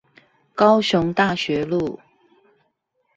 高雄大學路